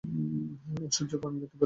অসহ্য প্রাণঘাতী ব্যথা।